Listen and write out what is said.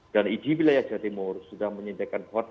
dan idibilis aja